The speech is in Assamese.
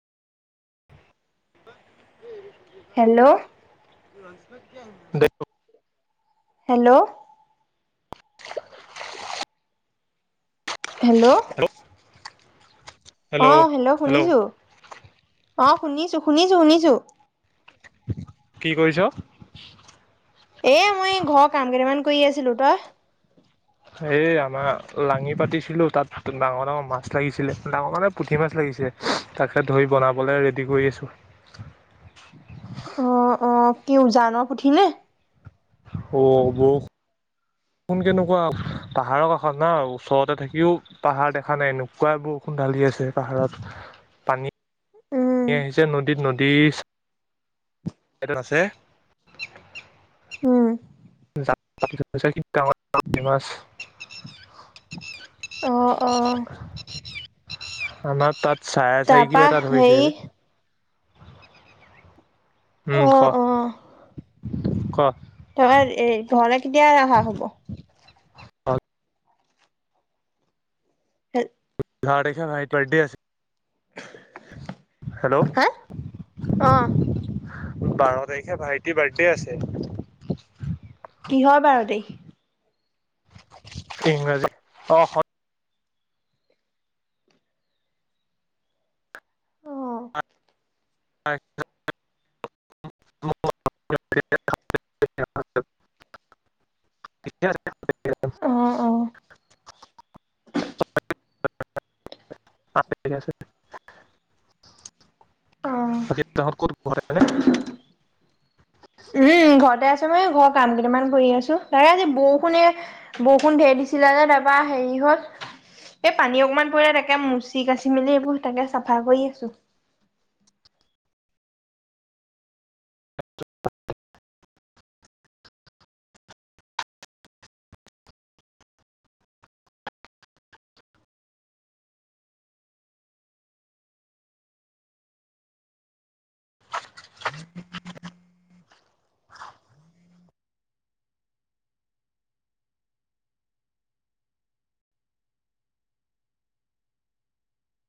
[unintelligible] হেল্ল'। দেখ। হেল্ল'। হেল্ল'। অ হেল্ল'! শুনিছো। অ শুনিছো শুনিছো শুনিছো। কি কৰিছ? এ মই এই ঘৰ কাম কেইটামান কৰি আছিলো তই? এই আমাৰ লাঙি পাতিছিলো, তাত ডাঙৰ ডাঙৰ মাছ লাগিছিলে, ডাঙৰ মানে পুঠি মাছ লাগিছিলে তাকে ধৰি বনাবলৈ ৰেডি কৰি আছো। অ অ কি ওজানৰ পুঠি নে? অ ব বৰষুণ কেনেকুৱা পাহাৰৰ কাষত না, ওচৰতে থাকিও পাহাৰ দেখা নাই এনেকুৱা বৰষুণ ঢ়ালি আছে পাহাৰত, পানী উম আহিছে নদীত নদী আছে উম। [unintelligible] গাঁৱত পানীৰ মাছ অ অ আমাৰ তাত চাৰে চাৰি কিলো তাৰপা এটা ধৰিছে। হেৰি উম অ ক। ক? তই এই ঘৰলে কেতিয়া আহা হ'ব? অ' হে বাৰ তাৰিখে ভাইটিৰ বাৰ্থডে আছে। হেল্ল' [unintelligible] হা অহঁ। বাৰ তাৰিখে ভাইটিৰ বাৰ্থডে আছে। কিহৰ বাৰ তাৰিখ? ইংৰাজী অ অসম অ [unintelligible] অ অ [unintelligible] [unintelligible] বাকি ত'হত ক'ত ঘৰতে নে? উম ঘৰতে আছো মই ঘৰৰ কাম কেইটামান কৰি আছো তাকে আজি বৰষুণে বৰষুণ ধেৰ দিছিলা যে তাৰপা হেৰি হল এই পানী অকমান পৰিলে তাকে মুচি কাচি মেলি এইবোৰ তাকে চাফা কৰি আছো। [unintelligible] [unintelligible]